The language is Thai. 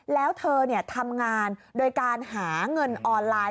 แล้วเธอทำงานโดยการหาเงินออนไลน์